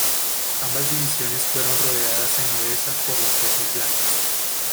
Ambas divisiones fueron rodeadas en Odesa por las fuerzas Blancas.